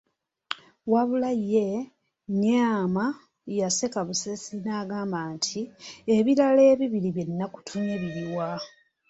Wabula ye Nyaama yaseka busesi n'agamba nti, ebirala ebibiri bye nakutumye biriwa?